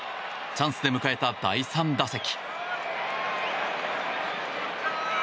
チャンスで迎えた第３打席。